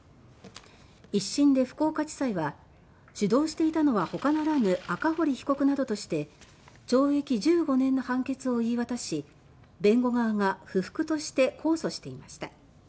１審で福岡地裁は主導していたのはほかならぬ赤堀被告などとして懲役１５年の判決を言い渡し弁護側が不服として控訴していました。